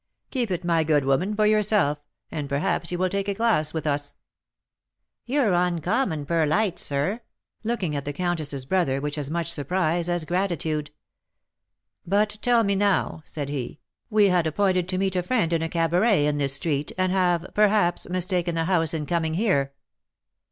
"Keep it, my good woman, for yourself, and perhaps you will take a glass with us." "You're uncommon purlite, sir," looking at the countess's brother with as much surprise as gratitude. "But tell me, now," said he; "we had appointed to meet a friend in a cabaret in this street, and have, perhaps, mistaken the house in coming here."